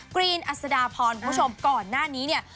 กรีนอัศดาพรคุณผู้ชมก่อนหน้านี้เนี่ย